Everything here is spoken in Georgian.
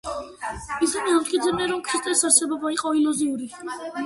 ისინი ამტკიცებდნენ, რომ ქრისტეს არსებობა იყო ილუზორული.